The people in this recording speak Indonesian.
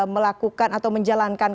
melakukan atau menjalankan